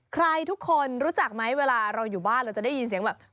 ใครทุกคนรู้จักไหมเวลาเราอยู่บ้านเราจะได้ยินเสียงแบบ